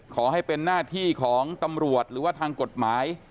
ขอให้เป็นหน้าที่ของตำรวจหรือว่าทางกฎหมาย